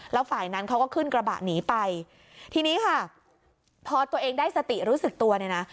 แล้วฝ่ายนั้นเขาก็ขึ้นกระบะหนีไปทีนี้ค่ะพอตัวเองได้สติรู้สึกตัวเนี่ยนะ